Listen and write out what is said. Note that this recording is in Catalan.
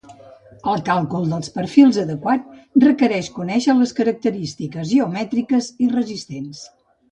El càlcul dels perfils adequats requereix conèixer les característiques geomètriques i resistents.